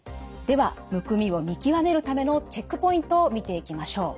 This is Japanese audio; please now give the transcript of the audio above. ではむくみを見極めるためのチェックポイントを見ていきましょう。